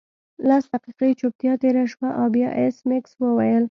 لس دقیقې چوپتیا تیره شوه او بیا ایس میکس وویل